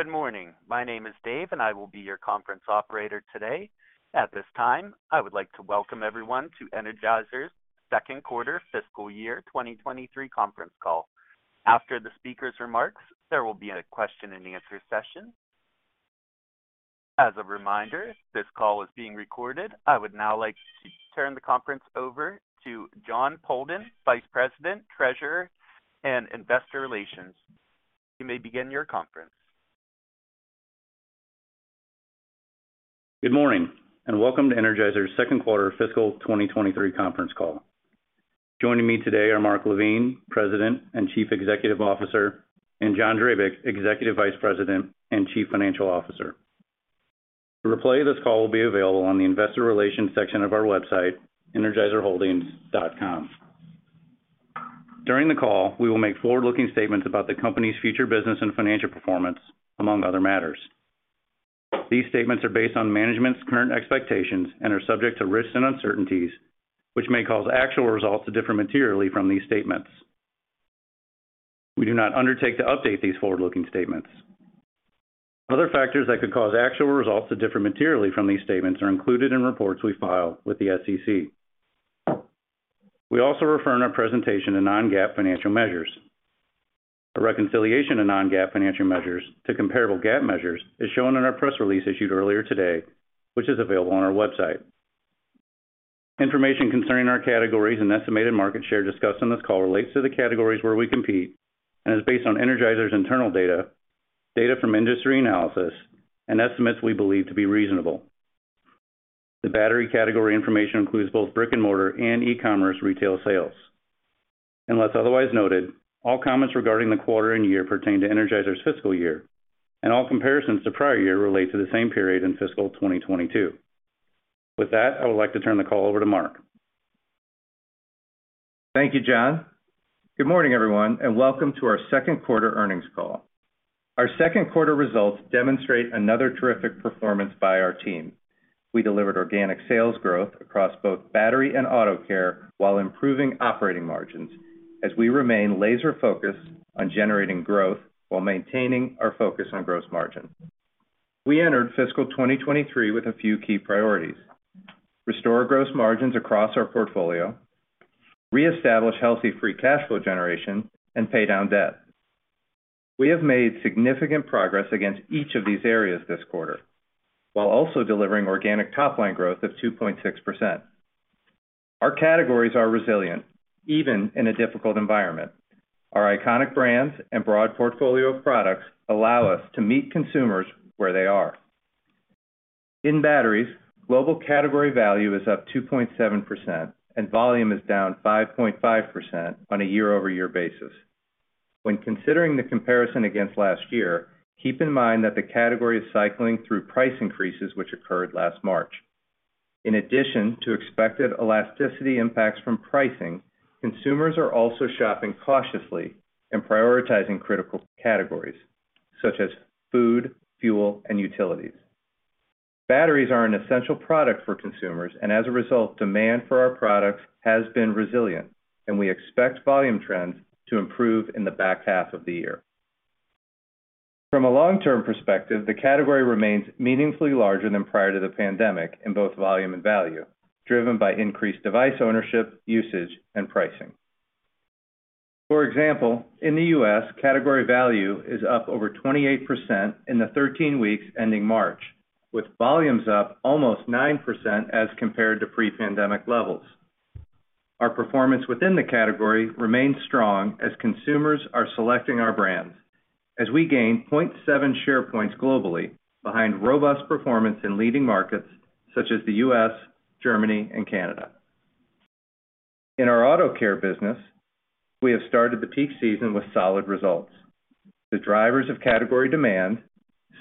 Good morning. My name is Dave, and I will be your conference operator today. At this time, I would like to welcome everyone to Energizer's Q2 fiscal year 2023 conference call. After the speaker's remarks, there will be a question-and-answer session. As a reminder, this call is being recorded. I would now like to turn the conference over to Jon Poldan, Vice President, Treasurer, and Investor Relations. You may begin your conference. Good morning, and welcome to Energizer's second quarter fiscal 2023 conference call. Joining me today are Mark LaVigne, President and CEO, and John Drabik, EVP and CFO. The replay of this call will be available on the investor relations section of our website, energizerholdings.com. During the call, we will make forward-looking statements about the company's future business and financial performance, among other matters. These statements are based on management's current expectations and are subject to risks and uncertainties, which may cause actual results to differ materially from these statements. We do not undertake to update these forward-looking statements. Other factors that could cause actual results to differ materially from these statements are included in reports we file with the SEC. We also refer in our presentation to non-GAAP financial measures. A reconciliation of non-GAAP financial measures to comparable GAAP measures is shown in our press release issued earlier today, which is available on our website. Information concerning our categories and estimated market share discussed on this call relates to the categories where we compete and is based on Energizer's internal data from industry analysis, and estimates we believe to be reasonable. The battery category information includes both brick-and-mortar and e-commerce retail sales. Unless otherwise noted, all comments regarding the quarter and year pertain to Energizer's fiscal year, and all comparisons to prior year relate to the same period in fiscal 2022. With that, I would like to turn the call over to Mark. Thank you, John. Good morning, everyone, and welcome to our second quarter earnings call. Our second quarter results demonstrate another terrific performance by our team. We delivered organic sales growth across both battery and auto care while improving operating margins as we remain laser-focused on generating growth while maintaining our focus on gross margin. We entered fiscal 2023 with a few key priorities: restore gross margins across our portfolio, reestablish healthy free cash flow generation, and pay down debt. We have made significant progress against each of these areas this quarter, while also delivering organic top-line growth of 2.6%. Our categories are resilient, even in a difficult environment. Our iconic brands and broad portfolio of products allow us to meet consumers where they are. In batteries, global category value is up 2.7% and volume is down 5.5% on a year-over-year basis. When considering the comparison against last year, keep in mind that the category is cycling through price increases which occurred last March. In addition to expected elasticity impacts from pricing, consumers are also shopping cautiously and prioritizing critical categories such as food, fuel, and utilities. Batteries are an essential product for consumers, and as a result, demand for our products has been resilient, and we expect volume trends to improve in the back half of the year. From a long-term perspective, the category remains meaningfully larger than prior to the pandemic in both volume and value, driven by increased device ownership, usage, and pricing. For example, in the U.S., category value is up over 28% in the 13 weeks ending March, with volumes up almost 9% as compared to pre-pandemic levels. Our performance within the category remains strong as consumers are selecting our brands as we gain 0.7 share points globally behind robust performance in leading markets such as the U.S., Germany, and Canada. In our auto care business, we have started the peak season with solid results. The drivers of category demand,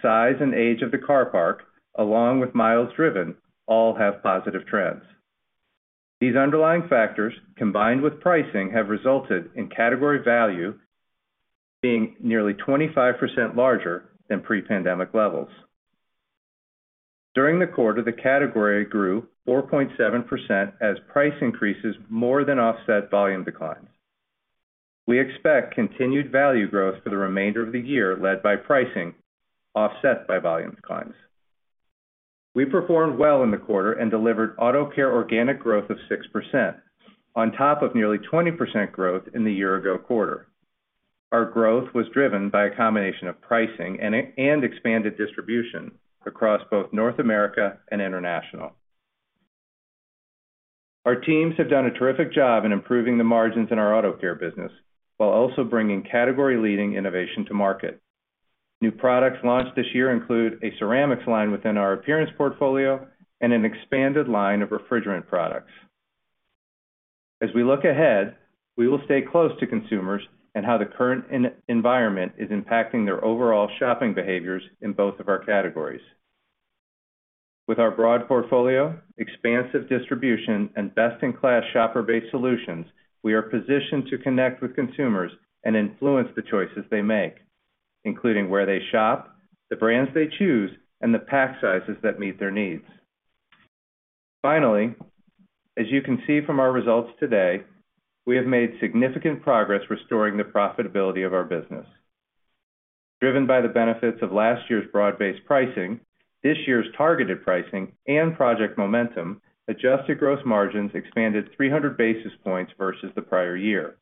size, and age of the car park, along with miles driven, all have positive trends. These underlying factors, combined with pricing, have resulted in category value being nearly 25% larger than pre-pandemic levels. During the quarter, the category grew 4.7% as price increases more than offset volume declines. We expect continued value growth for the remainder of the year led by pricing offset by volume declines. We performed well in the quarter and delivered auto care organic growth of 6% on top of nearly 20% growth in the year-ago quarter. Our growth was driven by a combination of pricing and expanded distribution across both North America and international. Our teams have done a terrific job in improving the margins in our auto care business while also bringing category-leading innovation to market. New products launched this year include a ceramics line within our appearance portfolio and an expanded line of refrigerant products. As we look ahead, we will stay close to consumers and how the current environment is impacting their overall shopping behaviors in both of our categories. As you can see from our results today, we have made significant progress restoring the profitability of our business. Driven by the benefits of last year's broad-based pricing, this year's targeted pricing and Project Momentum, adjusted gross margins expanded 300 basis points versus the prior year.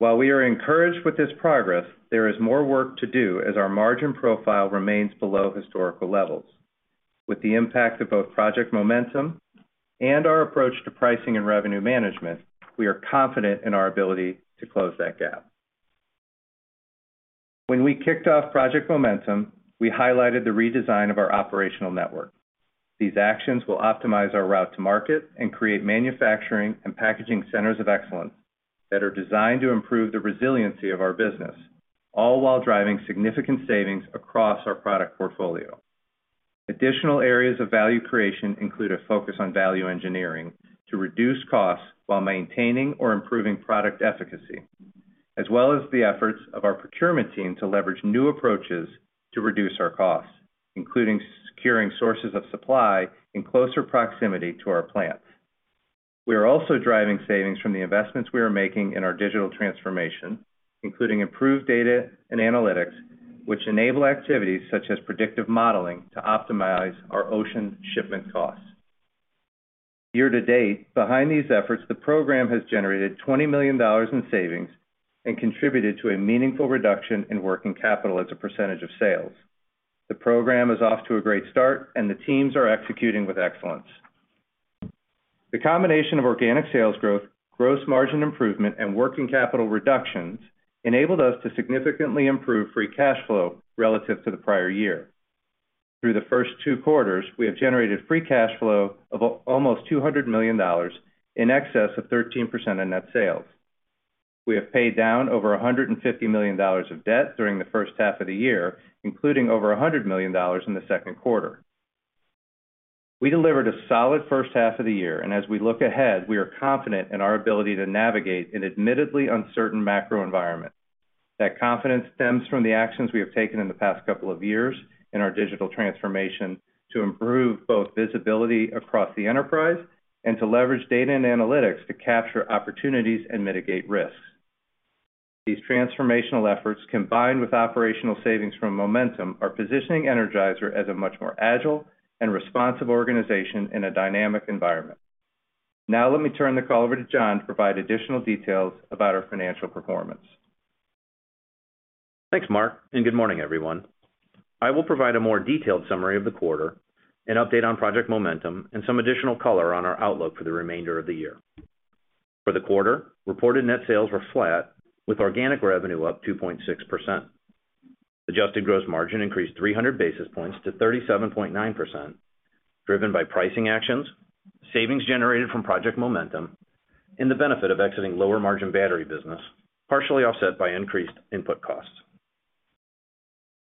We are encouraged with this progress, there is more work to do as our margin profile remains below historical levels. With the impact of both Project Momentum and our approach to pricing and revenue management, we are confident in our ability to close that gap. When we kicked off Project Momentum, we highlighted the redesign of our operational network. These actions will optimize our route to market and create manufacturing and packaging centers of excellence that are designed to improve the resiliency of our business, all while driving significant savings across our product portfolio. Additional areas of value creation include a focus on value engineering to reduce costs while maintaining or improving product efficacy, as well as the efforts of our procurement team to leverage new approaches to reduce our costs, including securing sources of supply in closer proximity to our plants. We are also driving savings from the investments we are making in our digital transformation, including improved data and analytics, which enable activities such as predictive modeling to optimize our ocean shipment costs. Year to date, behind these efforts, the program has generated $20 million in savings and contributed to a meaningful reduction in working capital as a percentage of sales. The program is off to a great start. The teams are executing with excellence. The combination of organic sales growth, gross margin improvement, and working capital reductions enabled us to significantly improve free cash flow relative to the prior year. Through the first two quarters, we have generated free cash flow of almost $200 million in excess of 13% of net sales. We have paid down over $150 million of debt during the first half of the year, including over $100 million in the second quarter. We delivered a solid first half of the year. As we look ahead, we are confident in our ability to navigate an admittedly uncertain macro environment. That confidence stems from the actions we have taken in the past couple of years in our digital transformation to improve both visibility across the enterprise and to leverage data and analytics to capture opportunities and mitigate risks. These transformational efforts, combined with operational savings from Momentum, are positioning Energizer as a much more agile and responsive organization in a dynamic environment. Let me turn the call over to John to provide additional details about our financial performance. Thanks, Mark. Good morning, everyone. I will provide a more detailed summary of the quarter, an update on Project Momentum, and some additional color on our outlook for the remainder of the year. For the quarter, reported net sales were flat with organic revenue up 2.6%. Adjusted gross margin increased 300 basis points to 37.9%, driven by pricing actions, savings generated from Project Momentum, and the benefit of exiting lower-margin battery business, partially offset by increased input costs.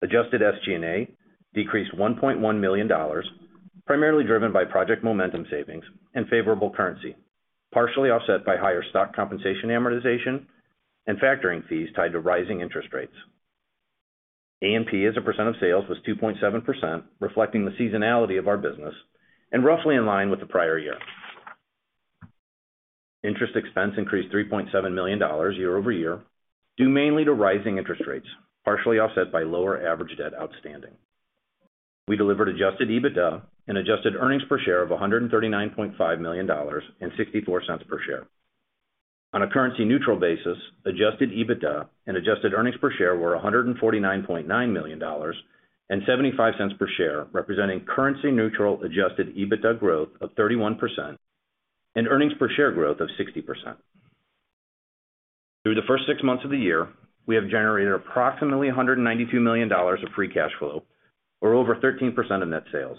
Adjusted SG&A decreased $1.1 million, primarily driven by Project Momentum savings and favorable currency, partially offset by higher stock compensation amortization and factoring fees tied to rising interest rates. A&MP as a % of sales was 2.7%, reflecting the seasonality of our business and roughly in line with the prior year. Interest expense increased $3.7 million year-over-year, due mainly to rising interest rates, partially offset by lower average debt outstanding. We delivered adjusted EBITDA and adjusted earnings per share of $139.5 million and $0.64 per share. On a currency-neutral basis, adjusted EBITDA and adjusted earnings per share were $149.9 million and $0.75 per share, representing currency-neutral adjusted EBITDA growth of 31% and earnings per share growth of 60%. Through the first six months of the year, we have generated approximately $192 million of free cash flow, or over 13% of net sales.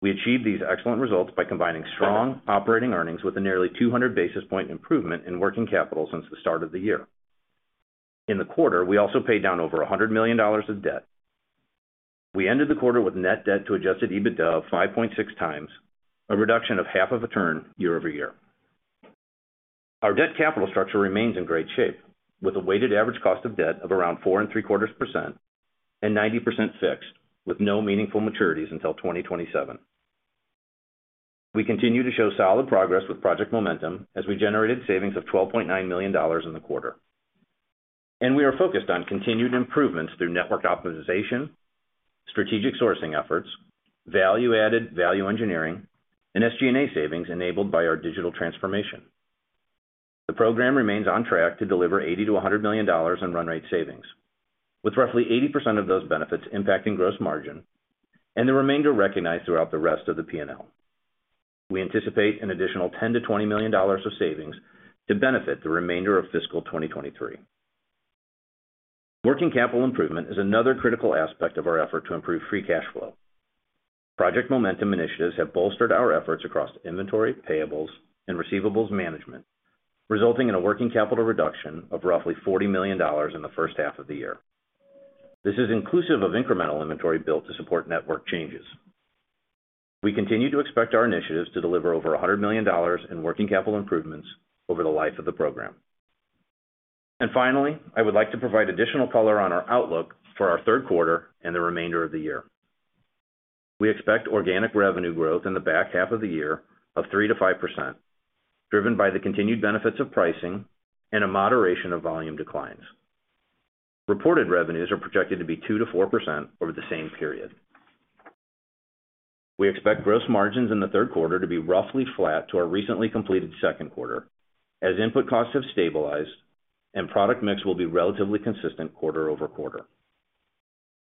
We achieved these excellent results by combining strong operating earnings with a nearly 200 basis point improvement in working capital since the start of the year. In the quarter, we also paid down over $100 million of debt. We ended the quarter with net debt to adjusted EBITDA of 5.6x, a reduction of half of a turn year-over-year. Our debt capital structure remains in great shape, with a weighted average cost of debt of around 4.75% and 90% fixed, with no meaningful maturities until 2027. We continue to show solid progress with Project Momentum as we generated savings of $12.9 million in the quarter. We are focused on continued improvements through network optimization, strategic sourcing efforts, value-added value engineering, and SG&A savings enabled by our digital transformation. The program remains on track to deliver $80 million-$100 million in run rate savings, with roughly 80% of those benefits impacting gross margin and the remainder recognized throughout the rest of the P&L. We anticipate an additional $10 million-$20 million of savings to benefit the remainder of fiscal 2023. Working capital improvement is another critical aspect of our effort to improve free cash flow. Project Momentum initiatives have bolstered our efforts across inventory, payables, and receivables management, resulting in a working capital reduction of roughly $40 million in the first half of the year. This is inclusive of incremental inventory built to support network changes. We continue to expect our initiatives to deliver over $100 million in working capital improvements over the life of the program. Finally, I would like to provide additional color on our outlook for our third quarter and the remainder of the year. We expect organic revenue growth in the back half of the year of 3%-5%, driven by the continued benefits of pricing and a moderation of volume declines. Reported revenues are projected to be 2%-4% over the same period. We expect gross margins in the Q3 to be roughly flat to our recently completed second quarter, as input costs have stabilized and product mix will be relatively consistent quarter-over-quarter.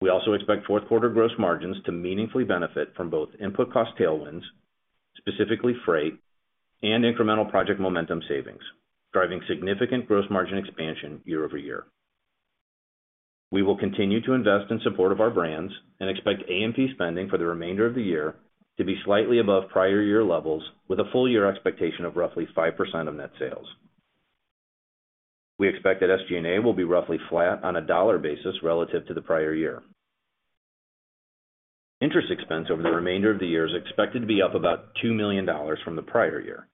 We also expect fourth quarter gross margins to meaningfully benefit from both input cost tailwinds, specifically freight and incremental Project Momentum savings, driving significant gross margin expansion year-over-year. We will continue to invest in support of our brands and expect A&P spending for the remainder of the year to be slightly above prior year levels with a full year expectation of roughly 5% of net sales. We expect that SG&A will be roughly flat on a dollar basis relative to the prior year. Interest expense over the remainder of the year is expected to be up about $2 million from the prior year,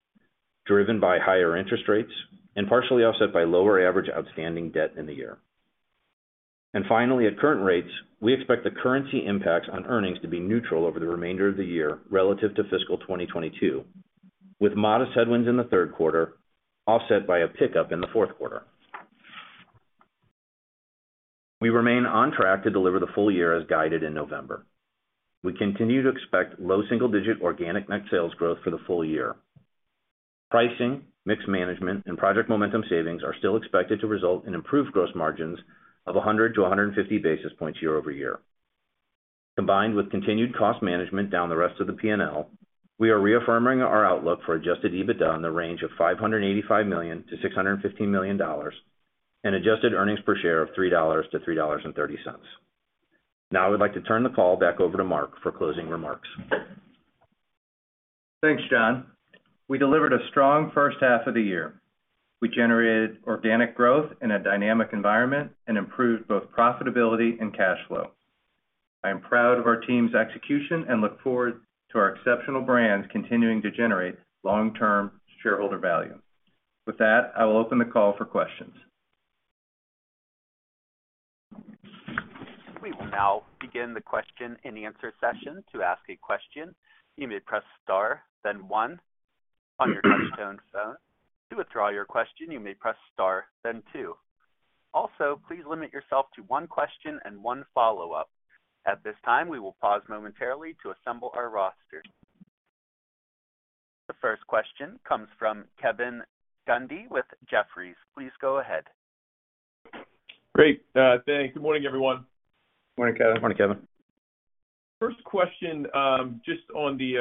driven by higher interest rates and partially offset by lower average outstanding debt in the year. Finally, at current rates, we expect the currency impacts on earnings to be neutral over the remainder of the year relative to fiscal 2022, with modest headwinds in the third quarter offset by a pickup in the fourth quarter. We remain on track to deliver the full year as guided in November. We continue to expect low single-digit organic net sales growth for the full year. Pricing, mix management, and Project Momentum savings are still expected to result in improved gross margins of 100 to 150 basis points year-over-year. Combined with continued cost management down the rest of the P&L, we are reaffirming our outlook for adjusted EBITDA in the range of $585 million-$615 million and adjusted earnings per share of $3.00-$3.30. Now I would like to turn the call back over to Mark for closing remarks. Thanks, John. We delivered a strong first half of the year. We generated organic growth in a dynamic environment and improved both profitability and cash flow. I am proud of our team's execution and look forward to our exceptional brands continuing to generate long-term shareholder value. With that, I will open the call for questions. We will now begin the question-and-answer session. To ask a question, you may press star then one on your touch tone phone. To withdraw your question, you may press star then two. Also, please limit yourself to one question and one follow-up. At this time, we will pause momentarily to assemble our roster. The first question comes from Kevin Grundy with Jefferies. Please go ahead. Great. Thanks. Good morning, everyone. Morning, Kevin. Morning, Kevin. First question, just on the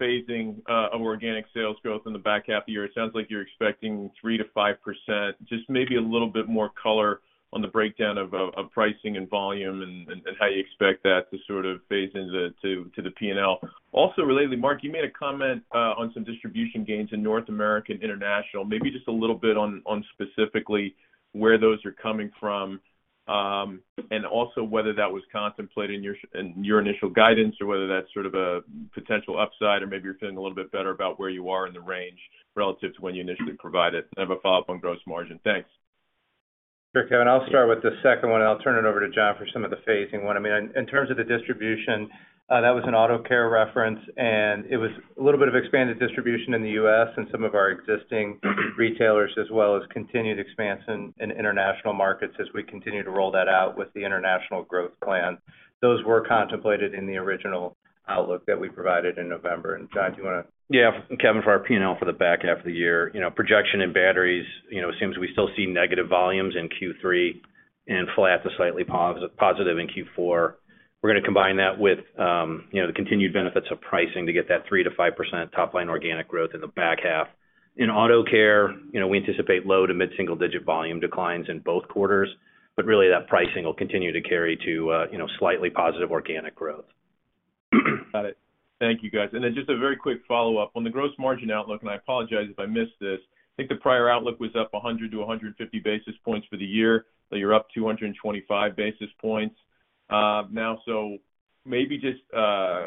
phasing of organic sales growth in the back half of the year. It sounds like you're expecting 3%-5%. Just maybe a little bit more color on the breakdown of pricing and volume and how you expect that to sort of phase into the P&L. Also relatedly, Mark, you made a comment on some distribution gains in North American International. Maybe just a little bit on specifically where those are coming from, and also whether that was contemplated in your initial guidance or whether that's sort of a potential upside or maybe you're feeling a little bit better about where you are in the range relative to when you initially provided. I have a follow-up on gross margin. Thanks. Sure, Kevin. I'll start with the second one, and I'll turn it over to John for some of the phasing one. I mean, in terms of the distribution, that was an auto care reference, and it was a little bit of expanded distribution in the US and some of our existing retailers as well as continued expansion in international markets as we continue to roll that out with the international growth plan. Those were contemplated in the original outlook that we provided in November. John, do you wanna? Yeah. Kevin, for our P&L for the back half of the year, you know, projection in batteries, you know, it seems we still see negative volumes in Q3 and flat to slightly positive in Q4. We're gonna combine that with, you know, the continued benefits of pricing to get that 3%-5% top line organic growth in the back half. In auto care, you know, we anticipate low to mid-single digit volume declines in both quarters, but really that pricing will continue to carry to, you know, slightly positive organic growth. Got it. Thank you, guys. Then just a very quick follow-up. On the gross margin outlook, and I apologize if I missed this, I think the prior outlook was up 100-150 basis points for the year, but you're up 225 basis points now. Maybe just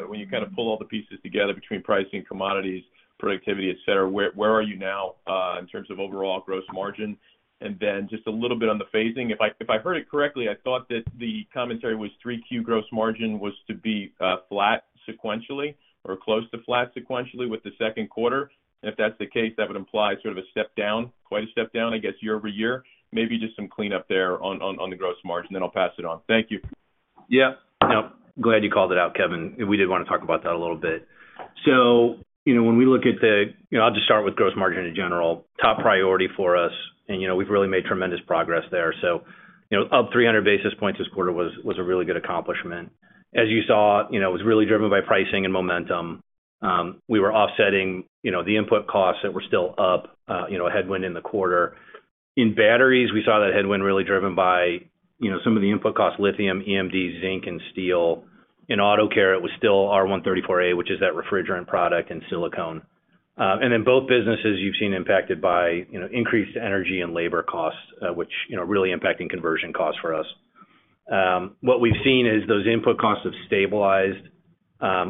when you kind of pull all the pieces together between pricing, commodities, productivity, et cetera, where are you now in terms of overall gross margin? Then just a little bit on the phasing. If I heard it correctly, I thought that the commentary was 3Q gross margin was to be flat sequentially or close to flat sequentially with the Q2. If that's the case, that would imply sort of a step down, quite a step down, I guess, year-over-year. Maybe just some cleanup there on the gross margin, then I'll pass it on. Thank you. Yeah. No, glad you called it out, Kevin. We did wanna talk about that a little bit. You know, when we look at the I'll just start with gross margin in general. Top priority for us, you know, we've really made tremendous progress there. You know, up 300 basis points this quarter was a really good accomplishment. As you saw, you know, it was really driven by pricing and Project Momentum. We were offsetting, you know, the input costs that were still up, you know, a headwind in the quarter. In batteries, we saw that headwind really driven by, you know, some of the input costs, lithium, EMD, zinc, and steel. In auto care, it was still R-134a, which is that refrigerant product and silicone. In both businesses, you've seen impacted by, you know, increased energy and labor costs, which, you know, really impacting conversion costs for us. What we've seen is those input costs have stabilized.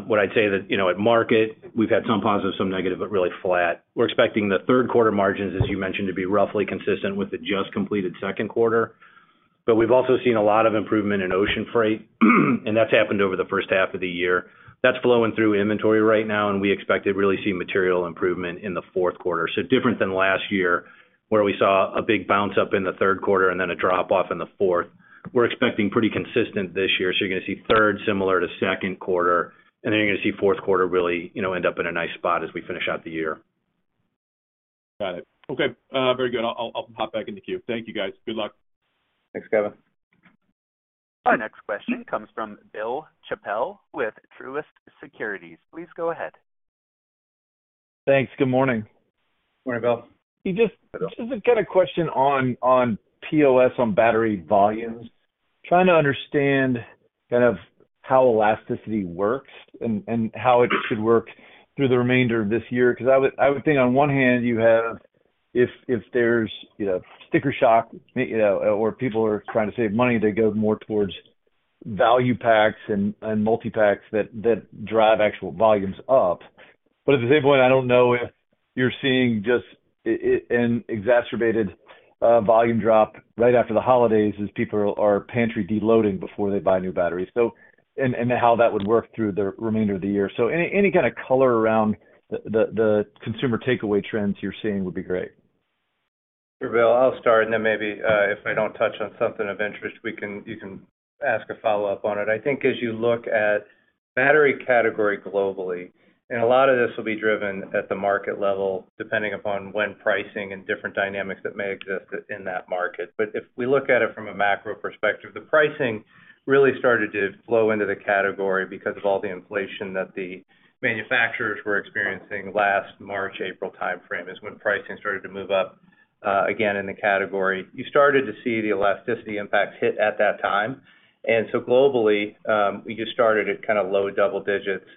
What I'd say that, you know, at market we've had some positive, some negative, but really flat. We're expecting the third quarter margins, as you mentioned, to be roughly consistent with the just completed second quarter. We've also seen a lot of improvement in ocean freight, and that's happened over the first half of the year. That's flowing through inventory right now, and we expect to really see material improvement in the fourth quarter. Different than last year, where we saw a big bounce up in the Q3 and then a drop off in the Q4. We're expecting pretty consistent this year, so you're gonna see third similar to second quarter, and then you're gonna see fourth quarter really, you know, end up in a nice spot as we finish out the year. Got it. Okay, very good. I'll pop back in the queue. Thank you, guys. Good luck. Thanks, Kevin. Our next question comes from Bill Chappell with Truist Securities. Please go ahead. Thanks. Good morning. Morning, Bill. Just to get a question on POS on battery volumes. Trying to understand kind of how elasticity works and how it should work through the remainder of this year, because I would think on one hand you have, if there's, you know, sticker shock, you know, or people are trying to save money, they go more towards value packs and multi-packs that drive actual volumes up. At the same point, I don't know if you're seeing just an exacerbated volume drop right after the holidays as people are pantry deloading before they buy new batteries. And how that would work through the remainder of the year. Any kind of color around the consumer takeaway trends you're seeing would be great. Sure, Bill. I'll start, and then maybe if I don't touch on something of interest, you can ask a follow-up on it. I think as you look at battery category globally, a lot of this will be driven at the market level, depending upon when pricing and different dynamics that may exist in that market. If we look at it from a macro perspective, the pricing really started to flow into the category because of all the inflation that the manufacturers were experiencing last March, April timeframe is when pricing started to move up again in the category. You started to see the elasticity impacts hit at that time. Globally, you just started at kind of low double digits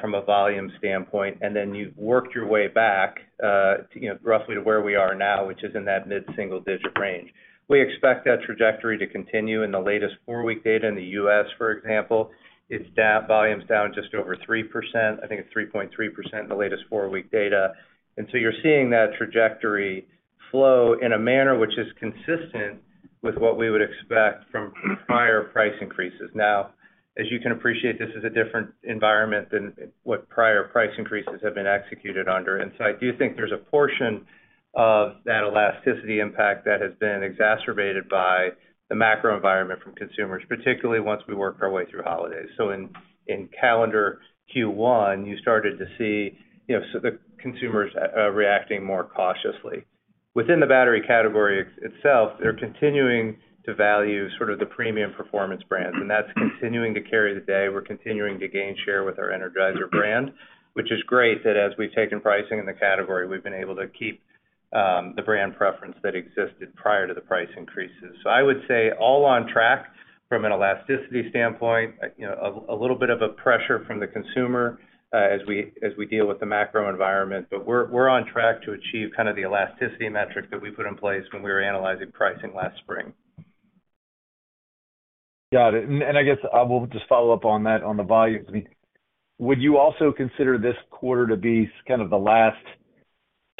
from a volume standpoint, and then you've worked your way back, you know, roughly to where we are now, which is in that mid-single digit range. We expect that trajectory to continue in the latest four-week data in the US, for example. volume's down just over 3%. I think it's 3.3% in the latest four-week data. You're seeing that trajectory flow in a manner which is consistent with what we would expect from prior price increases. Now, as you can appreciate, this is a different environment than what prior price increases have been executed under. I do think there's a portion of that elasticity impact that has been exacerbated by the macro environment from consumers, particularly once we work our way through holidays. In calendar Q1, you started to see, you know, the consumers reacting more cautiously. Within the battery category itself, they're continuing to value sort of the premium performance brands, and that's continuing to carry the day. We're continuing to gain share with our Energizer brand, which is great that as we've taken pricing in the category, we've been able to keep the brand preference that existed prior to the price increases. I would say all on track from an elasticity standpoint. You know, a little bit of a pressure from the consumer as we deal with the macro environment, but we're on track to achieve kind of the elasticity metric that we put in place when we were analyzing pricing last spring. Got it. I guess I will just follow up on that on the volume. Would you also consider this quarter to be kind of the last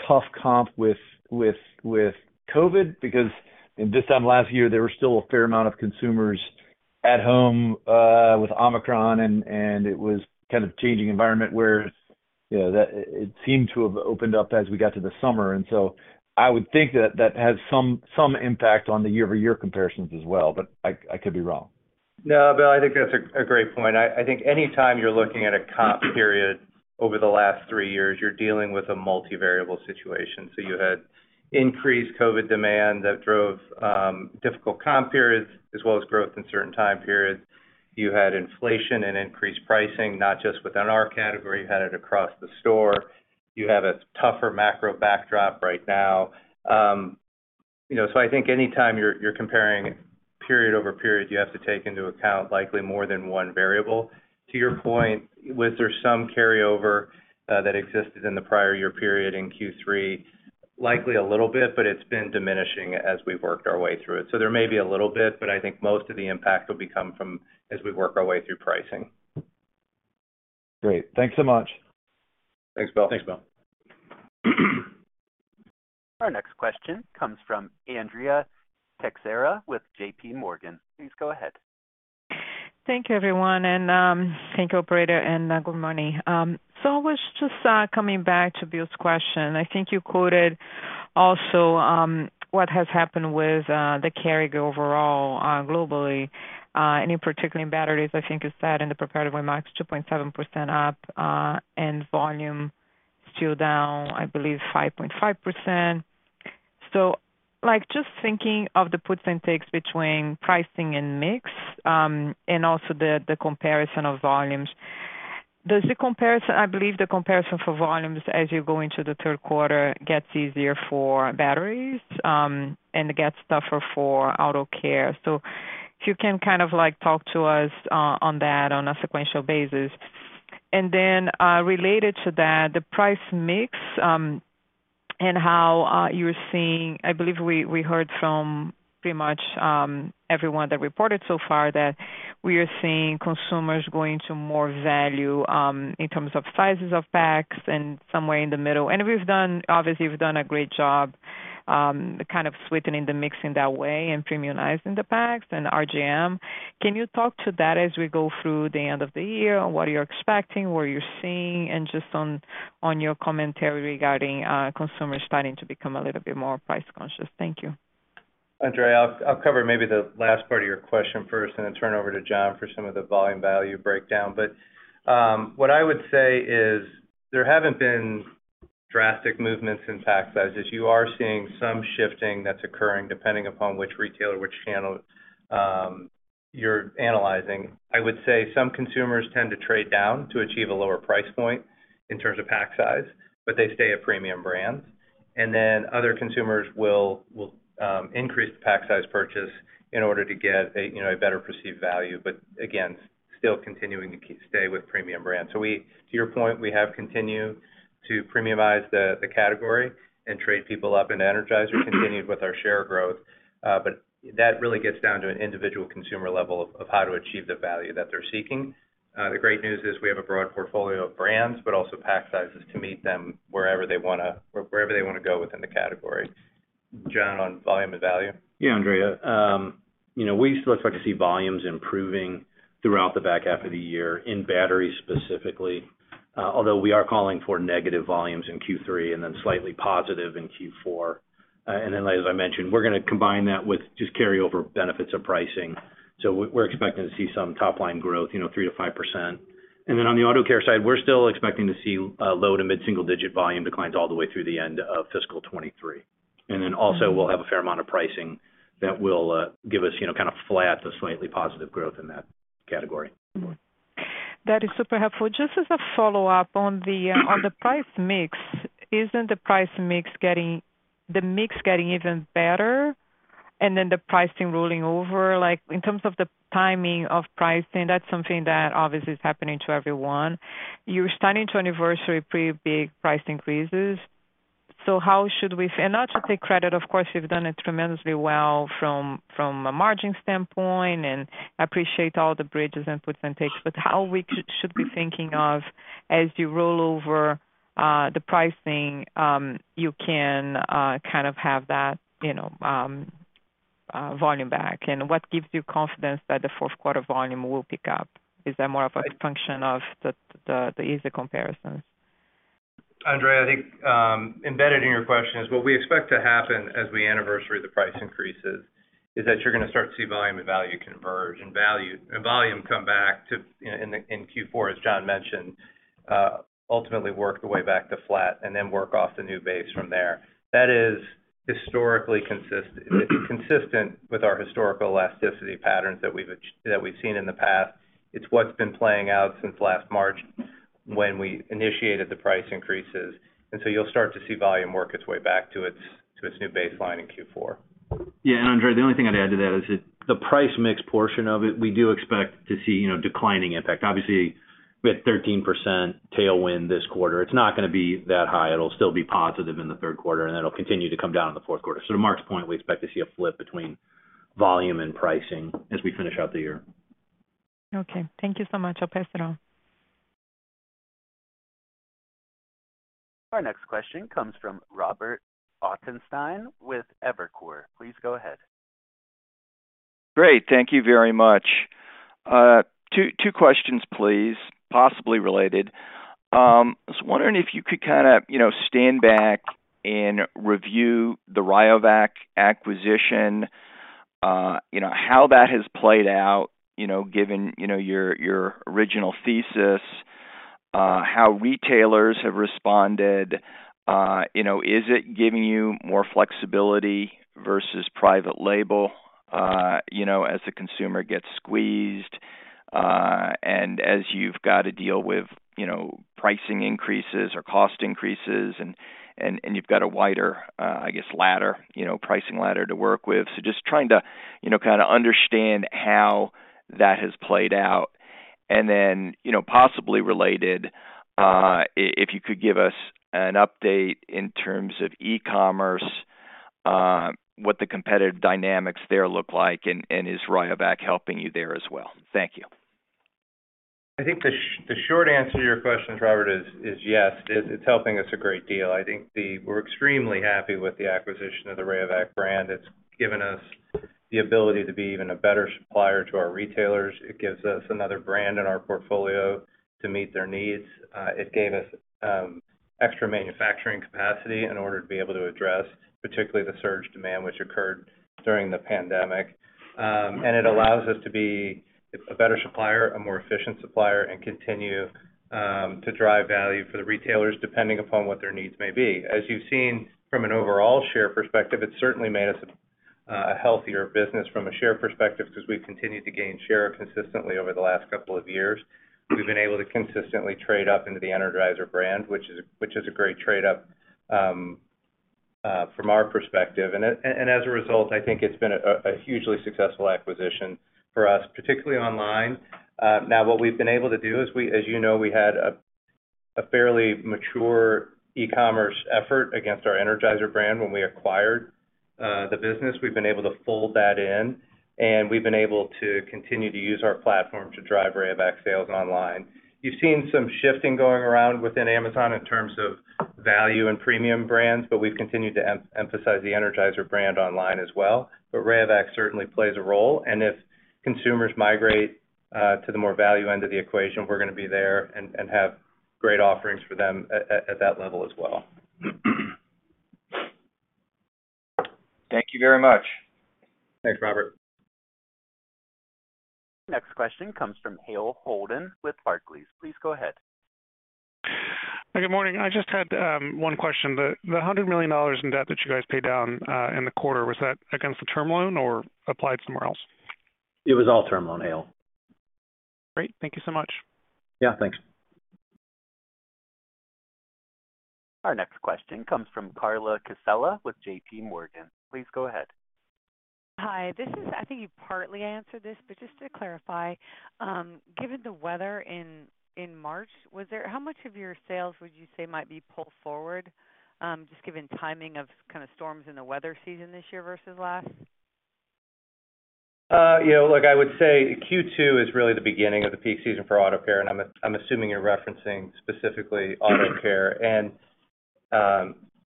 tough comp with COVID? Because this time last year, there were still a fair amount of consumers at home with Omicron and it was kind of changing environment where, you know, it seemed to have opened up as we got to the summer. I would think that that has some impact on the year-over-year comparisons as well, but I could be wrong. No, Bill, I think that's a great point. I think anytime you're looking at a comp period over the last three years, you're dealing with a multi-variable situation. You had increased COVID demand that drove difficult comp periods as well as growth in certain time periods. You had inflation and increased pricing, not just within our category, you had it across the store. You have a tougher macro backdrop right now. You know, I think anytime you're comparing period over period, you have to take into account likely more than one variable. To your point, was there some carryover that existed in the prior year period in Q3? Likely a little bit, but it's been diminishing as we've worked our way through it. There may be a little bit, but I think most of the impact will be come from as we work our way through pricing. Great. Thanks so much. Thanks, Bill. Our next question comes from Andrea Teixeira with JP Morgan. Please go ahead. Thank you, everyone, thank you, operator, and good morning. I was just coming back to Bill's question. I think you quoted also what has happened with the carry overall globally and in particular in batteries. I think you said in the prepared remarks 2.7% up, and volume still down, I believe, 5.5%. Like, just thinking of the puts and takes between pricing and mix, and also the comparison of volumes. I believe the comparison for volumes as you go into the third quarter gets easier for batteries, and it gets tougher for auto care. If you can kind of like talk to us on that on a sequential basis. Then, related to that, the price mix, how you're seeing... I believe we heard from pretty much everyone that reported so far that we are seeing consumers going to more value in terms of sizes of packs and somewhere in the middle. Obviously, we've done a great job kind of sweetening the mix in that way and premiumizing the packs and RGM. Can you talk to that as we go through the end of the year? What are you expecting, what are you seeing, and just on your commentary regarding consumers starting to become a little bit more price conscious? Thank you. Andrea, I'll cover maybe the last part of your question first and then turn over to John for some of the volume value breakdown. What I would say is there haven't been drastic movements in pack sizes. You are seeing some shifting that's occurring depending upon which retailer, which channel, you're analyzing. I would say some consumers tend to trade down to achieve a lower price point in terms of pack size, but they stay at premium brands. Other consumers will increase the pack size purchase in order to get a, you know, a better perceived value, but again, still continuing to stay with premium brands. To your point, we have continued to premiumize the category and trade people up, and Energizer continued with our share growth. That really gets down to an individual consumer level of how to achieve the value that they're seeking. The great news is we have a broad portfolio of brands, also pack sizes to meet them wherever they wanna go within the category. John, on volume and value. Andrea, you know, we still expect to see volumes improving throughout the back half of the year in batteries specifically, although we are calling for negative volumes in Q3 and then slightly positive in Q4. As I mentioned, we're gonna combine that with just carryover benefits of pricing. We're expecting to see some top line growth, you know, 3%-5%. On the auto care side, we're still expecting to see low-to-mid single-digit volume declines all the way through the end of fiscal 2023. Also, we'll have a fair amount of pricing that will give us, you know, kind of flat to slightly positive growth in that category. That is super helpful. Just as a follow-up, on the on the price mix, isn't the price mix getting, the mix getting even better and then the pricing rolling over? Like, in terms of the timing of pricing, that's something that obviously is happening to everyone. You're starting to anniversary pretty big price increases. How should we. Not to take credit, of course, you've done it tremendously well from a margin standpoint, and I appreciate all the bridges and percentages. How we should be thinking of as you roll over the pricing, you can kind of have that, you know, volume back. What gives you confidence that the fourth quarter volume will pick up? Is that more of a function of the easy comparisons? Andrea, I think, embedded in your question is what we expect to happen as we anniversary the price increases, is that you're gonna start to see volume and value converge and volume come back to, in Q4, as John mentioned, ultimately work the way back to flat and then work off the new base from there. That is historically consistent with our historical elasticity patterns that we've seen in the past. It's what's been playing out since last March when we initiated the price increases. You'll start to see volume work its way back to its, to its new baseline in Q4. Yeah. Andrea Teixeira, the only thing I'd add to that is that the price mix portion of it, we do expect to see, you know, declining impact. Obviously, we had 13% tailwind this quarter. It's not gonna be that high. It'll still be positive in the third quarter, and it'll continue to come down in the fourth quarter. To Mark LaVigne's point, we expect to see a flip between volume and pricing as we finish out the year. Okay. Thank you so much. I'll pass it on. Our next question comes from Robert Ottenstein with Evercore. Please go ahead. Great. Thank you very much. Two questions, please, possibly related. I was wondering if you could kind of, you know, stand back and review the Rayovac acquisition, you know, how that has played out, you know, given, you know, your original thesis, how retailers have responded, you know, is it giving you more flexibility versus private label, you know, as the consumer gets squeezed, and as you've got to deal with, you know, pricing increases or cost increases and you've got a wider, I guess, ladder, you know, pricing ladder to work with. Just trying to, you know, kind of understand how that has played out. You know, possibly related, if you could give us an update in terms of e-commerce, what the competitive dynamics there look like, and is Rayovac helping you there as well? Thank you. I think the short answer to your question, Robert, is yes. It's helping us a great deal. I think we're extremely happy with the acquisition of the Rayovac brand. It's given us the ability to be even a better supplier to our retailers. It gives us another brand in our portfolio to meet their needs. It gave us extra manufacturing capacity in order to be able to address particularly the surge demand which occurred during the pandemic. It allows us to be a better supplier, a more efficient supplier, and continue to drive value for the retailers depending upon what their needs may be. As you've seen from an overall share perspective, it's certainly made us a healthier business from a share perspective because we've continued to gain share consistently over the last couple of years. We've been able to consistently trade up into the Energizer brand, which is a great trade-up from our perspective. As a result, I think it's been a hugely successful acquisition for us, particularly online. Now what we've been able to do is we, as you know, we had a fairly mature e-commerce effort against our Energizer brand when we acquired the business. We've been able to fold that in, and we've been able to continue to use our platform to drive Rayovac sales online. You've seen some shifting going around within Amazon in terms of value and premium brands, but we've continued to emphasize the Energizer brand online as well. Rayovac certainly plays a role, and if consumers migrate to the more value end of the equation, we're gonna be there and have great offerings for them at that level as well. Thank you very much. Thanks, Robert. Next question comes from Hale Holden with Barclays. Please go ahead. Good morning. I just had one question. The $100 million in debt that you guys paid down in the quarter, was that against the term loan or applied somewhere else? It was all term loan, Hale. Great. Thank you so much. Yeah, thanks. Our next question comes from Carla Casella with JP Morgan. Please go ahead. Hi. I think you partly answered this, but just to clarify, given the weather in March, how much of your sales would you say might be pulled forward, just given timing of kind of storms in the weather season this year versus last? You know, look, I would say Q2 is really the beginning of the peak season for auto care, and I'm assuming you're referencing specifically auto care.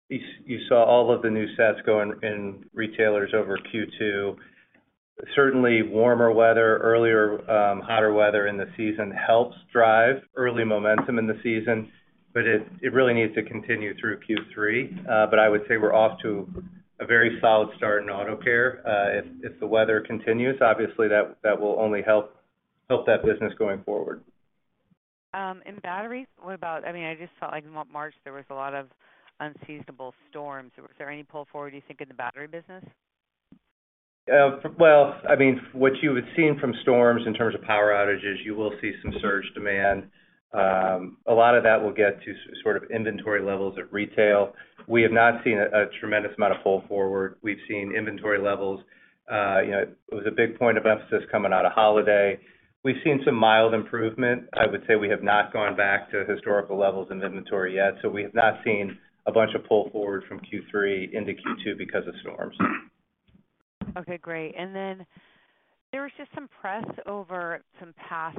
You saw all of the new sets go in retailers over Q2. Certainly, warmer weather, earlier, hotter weather in the season helps drive early momentum in the season, but it really needs to continue through Q3. I would say we're off to a very solid start in auto care. If, if the weather continues, obviously that will only help that business going forward. In batteries, I mean, I just felt like in March, there was a lot of unseasonable storms. Was there any pull forward, you think, in the battery business? Well, I mean, what you would seen from storms in terms of power outages, you will see some surge demand. A lot of that will get to sort of inventory levels at retail. We have not seen a tremendous amount of pull forward. We've seen inventory levels. You know, it was a big point of emphasis coming out of holiday. We've seen some mild improvement. I would say we have not gone back to historical levels in inventory yet, so we have not seen a bunch of pull forward from Q3 into Q2 because of storms. Okay, great. There was just some press over some past,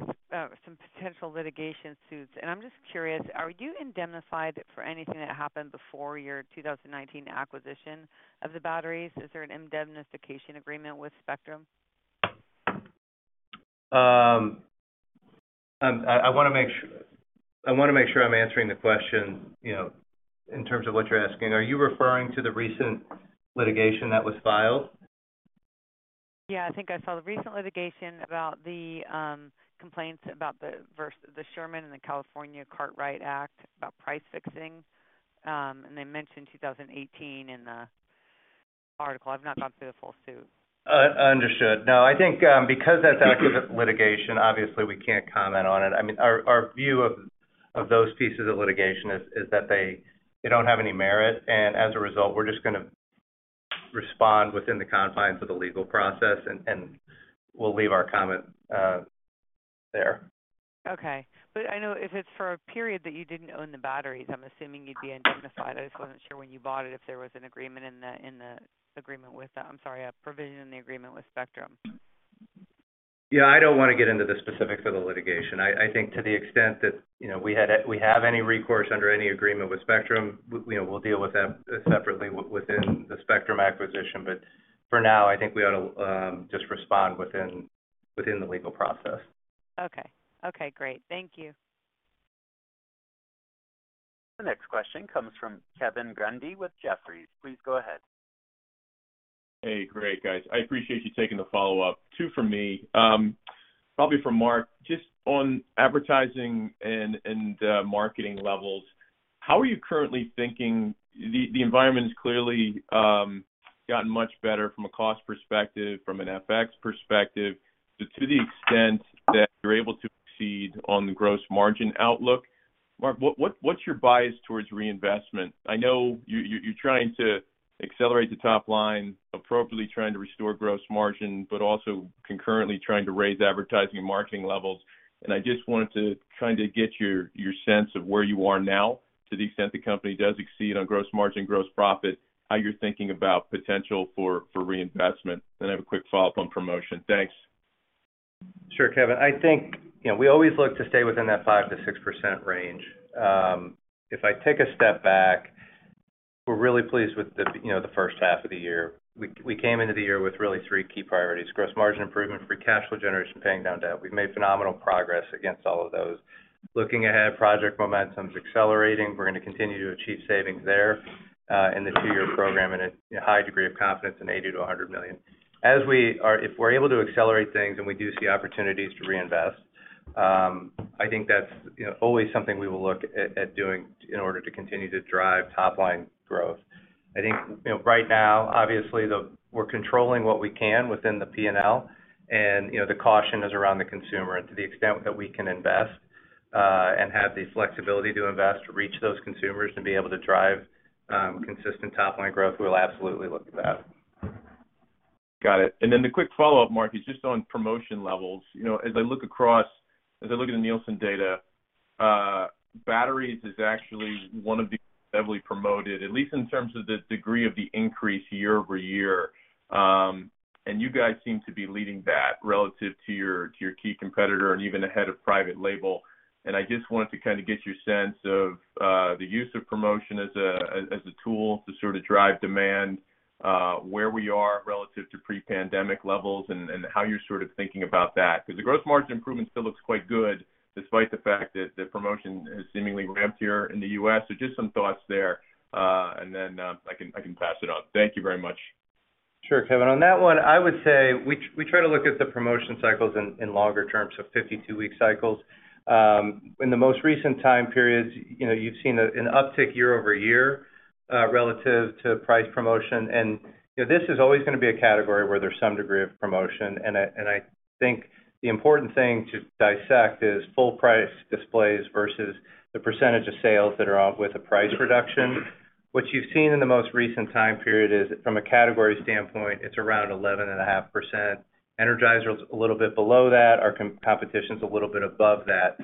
some potential litigation suits. I'm just curious, are you indemnified for anything that happened before your 2019 acquisition of the batteries? Is there an indemnification agreement with Spectrum? I wanna make sure I'm answering the question, you know, in terms of what you're asking. Are you referring to the recent litigation that was filed? Yeah. I think I saw the recent litigation about the complaints about the Sherman and the California Cartwright Act about price fixing. They mentioned 2018 in the article. I've not gone through the full suit. Understood. No, I think, because that's active litigation, obviously we can't comment on it. I mean, our view of those pieces of litigation is that they don't have any merit. As a result, we're just gonna respond within the confines of the legal process, and we'll leave our comment, there. Okay. I know if it's for a period that you didn't own the batteries, I'm assuming you'd be indemnified. I just wasn't sure when you bought it, if there was an agreement in the, in the agreement with, I'm sorry, a provision in the agreement with Spectrum. Yeah, I don't wanna get into the specifics of the litigation. I think to the extent that, you know, we have any recourse under any agreement with Spectrum, we'll deal with that separately within the Spectrum acquisition. For now, I think we ought to just respond within the legal process. Okay. Okay, great. Thank you. The next question comes from Kevin Grundy with Jefferies. Please go ahead. Hey. Great, guys. I appreciate you taking the follow-up. two from me. Probably for Mark, just on advertising and marketing levels, how are you currently thinking? The environment has clearly gotten much better from a cost perspective, from an FX perspective. To the extent that you're able to proceed on the gross margin outlook, Mark, what's your bias towards reinvestment? I know you're trying to accelerate the top line, appropriately trying to restore gross margin, but also concurrently trying to raise advertising and marketing levels. I just wanted to kind of get your sense of where you are now to the extent the company does exceed on gross margin, gross profit, how you're thinking about potential for reinvestment. I have a quick follow-up on promotion. Thanks. Sure, Kevin. I think, you know, we always look to stay within that 5%-6% range. If I take a step back, we're really pleased with the, you know, the first half of the year. We came into the year with really three key priorities: gross margin improvement, free cash flow generation, paying down debt. We've made phenomenal progress against all of those. Looking ahead, Project Momentum's accelerating. We're gonna continue to achieve savings there, in the two-year program and a, you know, high degree of confidence in $80 million-$100 million. If we're able to accelerate things and we do see opportunities to reinvest, I think that's, you know, always something we will look at doing in order to continue to drive top line growth. I think, you know, right now, obviously, the...we're controlling what we can within the P&L, and, you know, the caution is around the consumer. To the extent that we can invest, and have the flexibility to invest to reach those consumers and be able to drive consistent top-line growth, we'll absolutely look at that. Got it. The quick follow-up, Mark, is just on promotion levels. You know, as I look at the Nielsen data, batteries is actually one of the heavily promoted, at least in terms of the degree of the increase year-over-year. You guys seem to be leading that relative to your key competitor and even ahead of private label. I just wanted to kind of get your sense of the use of promotion as a tool to sort of drive demand, where we are relative to pre-pandemic levels and how you're sort of thinking about that. 'Cause the gross margin improvement still looks quite good, despite the fact that the promotion has seemingly ramped here in the U.S. Just some thoughts there, I can pass it on. Thank you very much. Sure, Kevin. On that one, I would say we try to look at the promotion cycles in longer terms, so 52-week cycles. In the most recent time periods, you know, you've seen an uptick year-over-year relative to price promotion. You know, this is always gonna be a category where there's some degree of promotion. I think the important thing to dissect is full price displays versus the % of sales that are out with a price reduction. What you've seen in the most recent time period is, from a category standpoint, it's around 11.5%. Energizer is a little bit below that. Our competition's a little bit above that.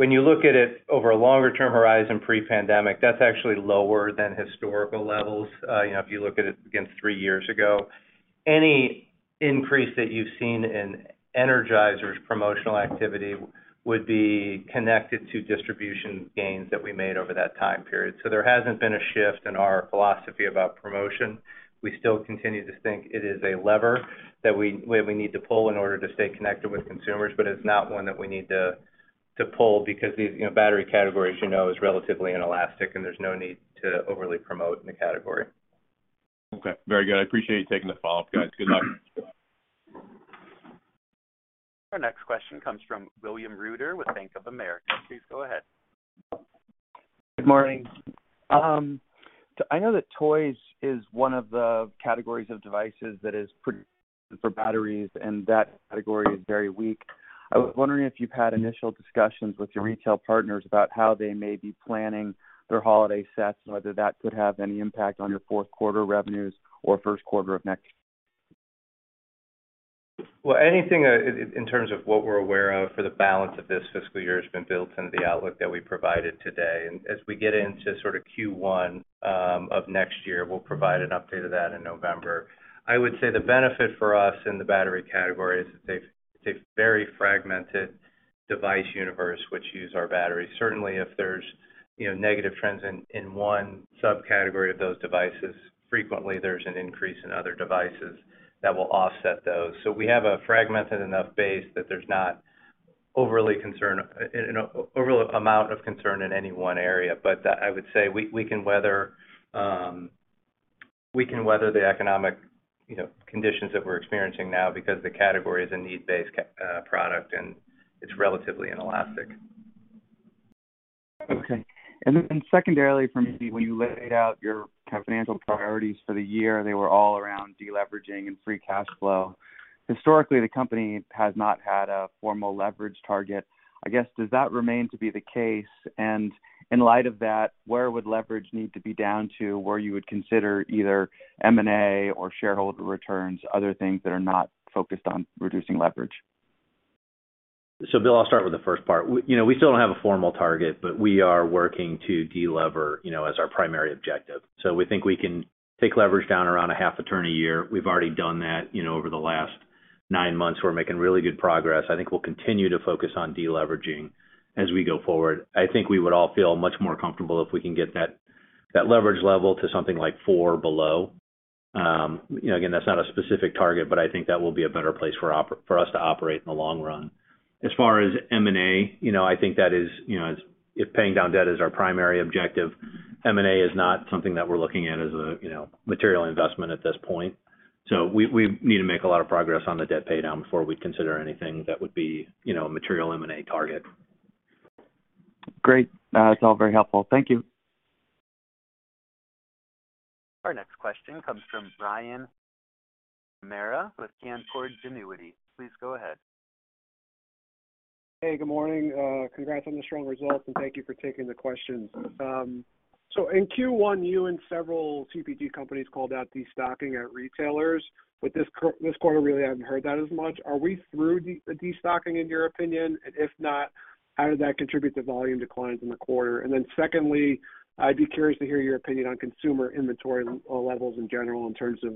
When you look at it over a longer term horizon pre-pandemic, that's actually lower than historical levels, you know, if you look at it against three years ago. Any increase that you've seen in Energizer's promotional activity would be connected to distribution gains that we made over that time period. There hasn't been a shift in our philosophy about promotion. We still continue to think it is a lever that we need to pull in order to stay connected with consumers, but it's not one that we need to pull because these, you know, battery category, as you know, is relatively inelastic, and there's no need to overly promote in the category. Okay. Very good. I appreciate you taking the follow-up, guys. Good luck. Our next question comes from William Reuter with Bank of America. Please go ahead. Good morning. I know that toys is one of the categories of devices that is pretty for batteries, and that category is very weak. I was wondering if you've had initial discussions with your retail partners about how they may be planning their holiday sets, and whether that could have any impact on your fourth quarter revenues or first quarter of next year. Anything in terms of what we're aware of for the balance of this fiscal year has been built into the outlook that we provided today. As we get into sort of Q1 of next year, we'll provide an update of that in November. I would say the benefit for us in the battery category is that it's a very fragmented device universe which use our batteries. Certainly, if there's, you know, negative trends in one subcategory of those devices, frequently there's an increase in other devices that will offset those. We have a fragmented enough base that there's not overly amount of concern in any one area. I would say we can weather the economic, you know, conditions that we're experiencing now because the category is a need-based product, and it's relatively inelastic. Okay. Secondarily for me, when you laid out your kind of financial priorities for the year, they were all around deleveraging and free cash flow. Historically, the company has not had a formal leverage target. I guess, does that remain to be the case? In light of that, where would leverage need to be down to where you would consider either M&A or shareholder returns, other things that are not focused on reducing leverage? Bill, I'll start with the first part. We still don't have a formal target, we are working to deliver, you know, as our primary objective. We think we can take leverage down around a half a turn a year. We've already done that, you know, over the last nine months. We're making really good progress. I think we'll continue to focus on deleveraging as we go forward. I think we would all feel much more comfortable if we can get that leverage level to something like four below. You know, again, that's not a specific target, I think that will be a better place for us to operate in the long run. As far as M&A, you know, I think that is, you know, if paying down debt is our primary objective, M&A is not something that we're looking at as a, you know, material investment at this point. We need to make a lot of progress on the debt pay down before we consider anything that would be, you know, a material M&A target. Great. It's all very helpful. Thank you. Our next question comes from Brian McNamara with Canaccord Genuity. Please go ahead. Hey, good morning. Congrats on the strong results, thank you for taking the questions. In Q1, you and several CPG companies called out destocking at retailers. With this quarter, we really haven't heard that as much. Are we through destocking in your opinion? If not, how did that contribute to volume declines in the quarter? Secondly, I'd be curious to hear your opinion on consumer inventory levels in general in terms of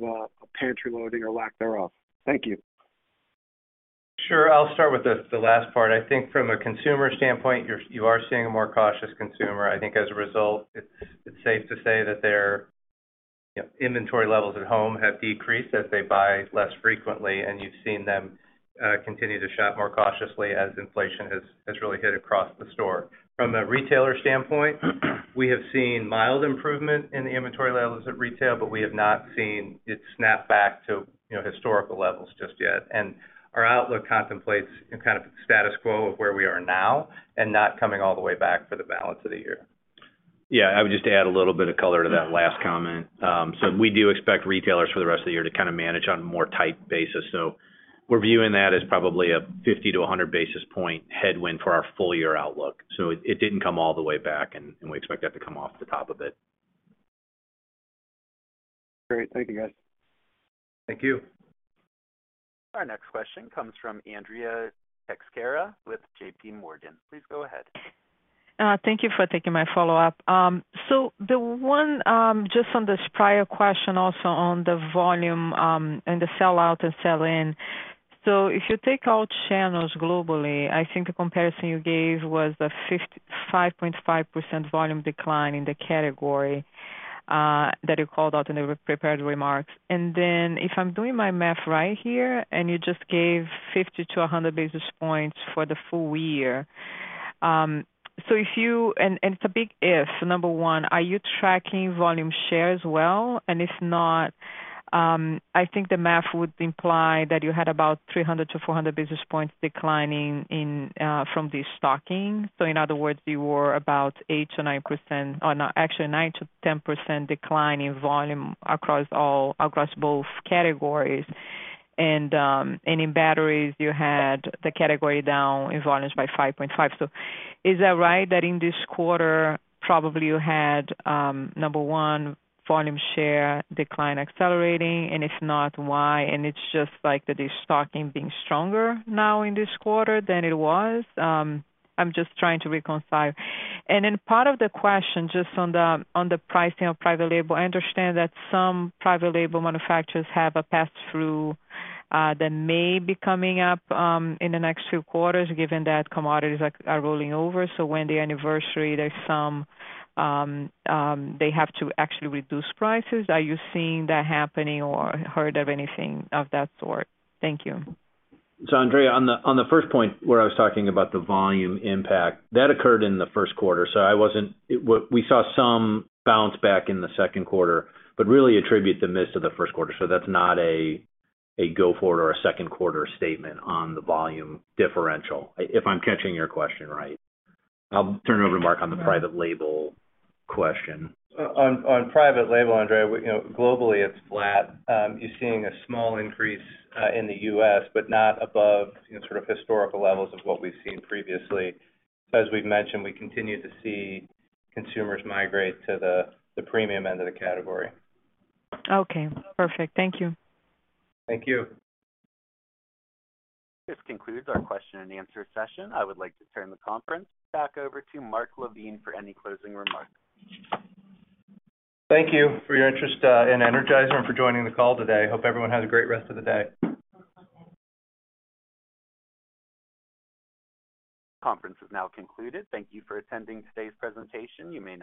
pantry loading or lack thereof. Thank you. Sure. I'll start with the last part. I think from a consumer standpoint, you are seeing a more cautious consumer. I think as a result, it's safe to say that their, you know, inventory levels at home have decreased as they buy less frequently, and you've seen them continue to shop more cautiously as inflation has really hit across the store. From a retailer standpoint, we have seen mild improvement in the inventory levels at retail, but we have not seen it snap back to, you know, historical levels just yet. Our outlook contemplates in kind of status quo of where we are now and not coming all the way back for the balance of the year. Yeah, I would just add a little bit of color to that last comment. We do expect retailers for the rest of the year to kinda manage on a more tight basis. We're viewing that as probably a 50 to 100 basis point headwind for our full year outlook. It didn't come all the way back and we expect that to come off the top of it. Great. Thank you guys. Thank you. Our next question comes from Andrea Teixeira with JP Morgan. Please go ahead. Thank you for taking my follow-up. The one, just on this prior question also on the volume, and the sell out and sell in. If you take all channels globally, I think the comparison you gave was the 5.5% volume decline in the category, that you called out in the prepared remarks. Then if I'm doing my math right here, you just gave 50-100 basis points for the full year. It's a big if, number 1, are you tracking volume share as well? If not, I think the math would imply that you had about 300-400 basis points declining in from the stocking. In other words, you were about 8%-9%, or no, actually 9%-10% decline in volume across all, across both categories. In batteries, you had the category down in volumes by 5.5%. Is that right that in this quarter probably you had, number one, volume share decline accelerating? If not, why? It's just like the de-stocking being stronger now in this quarter than it was? I'm just trying to reconcile. Part of the question, just on the pricing of private label, I understand that some private label manufacturers have a pass-through, that may be coming up in the next two quarters, given that commodities are rolling over. When the anniversary, there's some. They have to actually reduce prices. Are you seeing that happening or heard of anything of that sort? Thank you. Andrea, on the first point where I was talking about the volume impact, that occurred in the first quarter, I wasn't. We saw some bounce back in the second quarter, but really attribute the midst of the first quarter. That's not a go forward or a second quarter statement on the volume differential, if I'm catching your question right. I'll turn it over to Mark on the private label question. On private label, Andrea, we, you know, globally it's flat. You're seeing a small increase in the U.S. but not above, you know, sort of historical levels of what we've seen previously. As we've mentioned, we continue to see consumers migrate to the premium end of the category. Okay, perfect. Thank you. Thank you. This concludes our question and answer session. I would like to turn the conference back over to Mark LaVigne for any closing remarks. Thank you for your interest in Energizer and for joining the call today. Hope everyone has a great rest of the day. Conference is now concluded. Thank you for attending today's presentation. You may now disconnect.